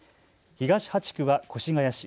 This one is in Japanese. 東８区は越谷市。